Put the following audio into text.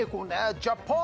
ジャポン。